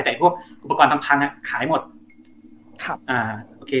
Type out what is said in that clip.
แต่พวกอุปกรณ์ทำพังอ่ะขายหมดครับอ่าโอเค